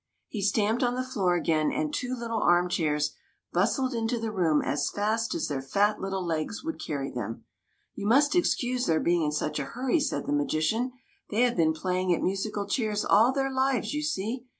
" He stamped on the floor again, and two little arm chairs bustled into the room as fast as their fat little legs would carry them. '' You must excuse their being in such a hurry," said the magician ;'' they have been playing at musical chairs all their lives, you see.